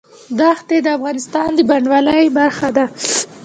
دښتې د افغانستان د بڼوالۍ برخه ده.